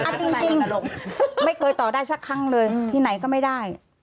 อัดใจกระโลกไม่เคยต่อได้ชักครั้งเลยที่ไหนก็ไม่ได้